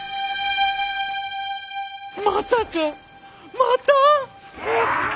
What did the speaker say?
まさかまた？